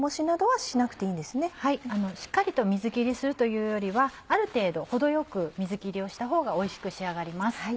はいしっかりと水切りするというよりはある程度程よく水切りをしたほうがおいしく仕上がります。